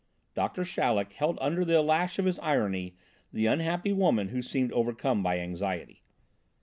Doctor Chaleck held under the lash of his irony the unhappy woman who seemed overcome by anxiety.